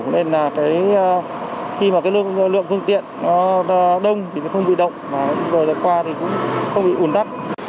nên khi lượng phương tiện đông thì sẽ không bị động rồi qua thì cũng không bị ủn đắp